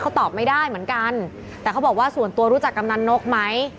เขาตอบไม่ได้เหมือนกันแต่เขาบอกว่าส่วนตัวรู้จักกำนันนกไหม